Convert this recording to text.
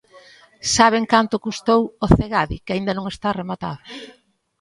¿Saben canto custou o Cegadi, que aínda non está rematado?